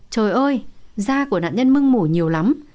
trời ơi da của nạn nhân mưng mủ nhiều lắm